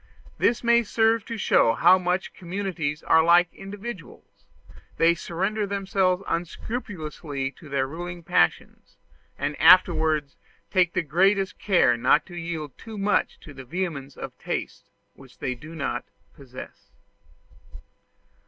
This may serve to show how much communities are like individuals; they surrender themselves unscrupulously to their ruling passions, and afterwards take the greatest care not to yield too much to the vehemence of tastes which they do not possess.